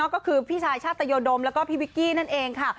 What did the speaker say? ก็คือพี่ชายชาตยดมแล้วก็พี่วิกกี้นั่นเองค่ะ